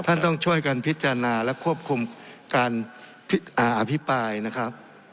ท่านต้องช่วยกันพิจารณาและควบคุมการอภิปรายนะครับ